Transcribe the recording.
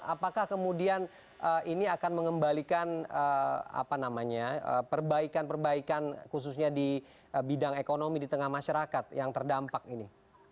apakah kemudian ini akan mengembalikan perbaikan perbaikan khususnya di bidang ekonomi di tengah masyarakat yang terdampak ini